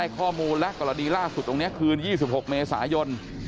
ข้อมูลและกรณีล่าสุดตรงนี้คืน๒๖เมษายน